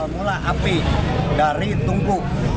mula api dari tungku